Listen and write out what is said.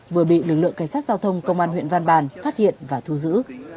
vừa bị lực lượng cảnh sát giao thông công an huyện văn bàn phát hiện và thu giữ